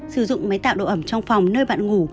sử dụng máy tạo độ ẩm trong phòng nơi bạn ngủ